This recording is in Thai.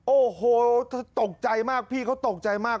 โอ้โหเธอตกใจมากพี่เขาตกใจมาก